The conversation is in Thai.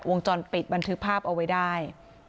วงจรปิดบันทึกภาพเอาไว้ได้